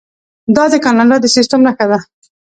دا د کاناډا د سیستم نښه ده.